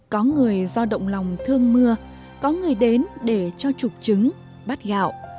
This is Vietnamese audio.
có người do động lòng thương mưa có người đến để cho trục trứng bắt gạo